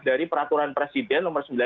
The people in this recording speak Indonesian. dari peraturan presiden nomor sembilan puluh lima